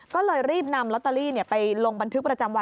ก็เลยรีบนำลอตเตอรี่ไปลงบันทึกประจำวัน